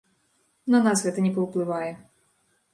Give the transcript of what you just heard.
На нас гэта не паўплывае.